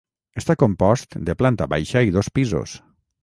Està compost de planta baixa i dos pisos.